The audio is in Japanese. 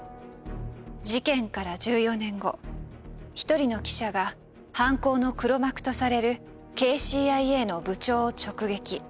事件から１４年後一人の記者が犯行の黒幕とされるＫＣＩＡの部長を直撃。